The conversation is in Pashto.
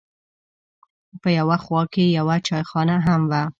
په یوه خوا کې یوه چایخانه هم وه.